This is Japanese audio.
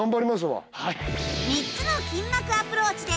３つの筋膜アプローチで。